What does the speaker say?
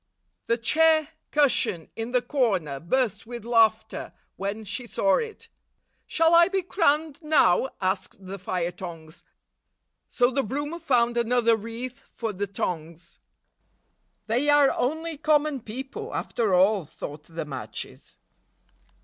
The chair cushion in the corner burst with laughter when she saw it. 'Shall I be crowned now?' asked the fire tongs; so the broom found another wreath for the tongs. 'They are only common people, after all/ thought the matches.